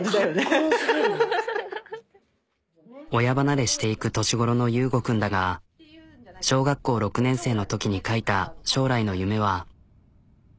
親離れしていく年ごろの悠吾君だが小学校６年生のときに書いた将来の夢は。